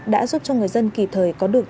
đã giúp cho người dân kỳ thời có được